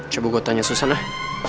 coba gue tanya susan lah